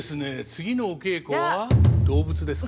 次のお稽古は動物ですか？